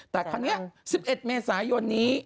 แต่คราวนี้๑๑เมษายนนี้